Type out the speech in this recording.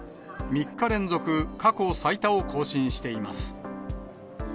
３日連続過去最多を更新しています。